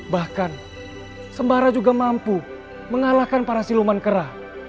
bahkan sembara juga mampu mengalahkan para siluman kerah